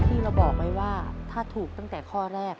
ที่เราบอกไว้ว่าถ้าถูกตั้งแต่ข้อแรก